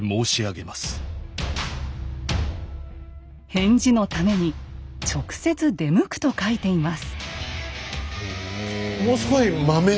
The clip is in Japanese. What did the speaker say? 返事のために直接出向くと書いています。